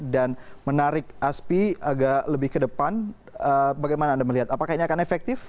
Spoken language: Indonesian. dan menarik aspi agak lebih ke depan bagaimana anda melihat apakah ini akan efektif